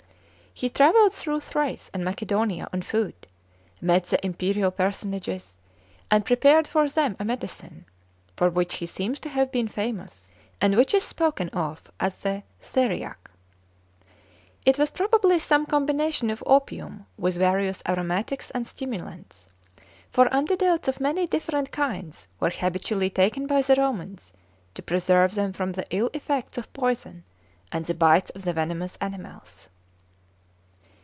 He travelled through Thrace and Macedonia on foot, met the imperial personages, and prepared for them a medicine, for which he seems to have been famous, and which is spoken of as the theriac. It was probably some combination of opium with various aromatics and stimulants, for antidotes of many different kinds were habitually taken by the Romans to preserve them from the ill effects of poison and of the bites of venomous animals.